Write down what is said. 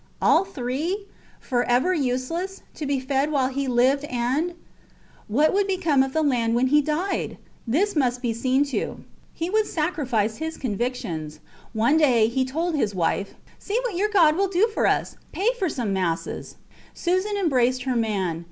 All three. Forever useless, to be fed while he lived and ... What would become of the land when he died? This must be seen to. He would sacrifice his convictions. One day he told his wife See what your God will do for us. Pay for some masses. Susan embraced her man.